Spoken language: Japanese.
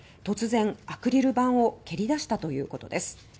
突然、アクリル板を蹴り出したということです。